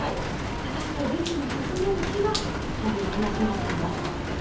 果たしてルビーの進む道は？というお話になっています。